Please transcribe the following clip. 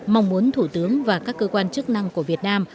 mong muốn thủ tướng và các cơ quan chức năng của việt nam